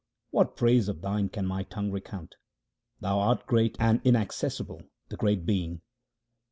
What praise of Thine can my tongue recount ? Thou art great and inaccessible, the greatest Being.